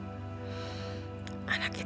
saya sudah berhenti